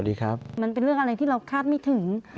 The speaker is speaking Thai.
แล้วก็ย้ำว่าจะเดินหน้าเรียกร้องความยุติธรรมให้ถึงที่สุด